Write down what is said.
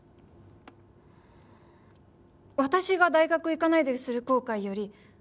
私が大学へ行かないでする後悔より